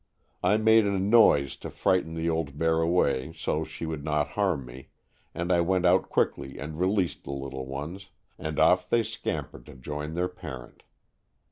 I made a noise to frighten the old bear away so she would not harm me, and I went quickly out and released the little ones and off they scampered to join their parent.